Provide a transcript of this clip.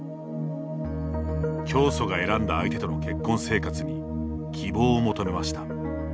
教祖が選んだ相手との結婚生活に希望を求めました。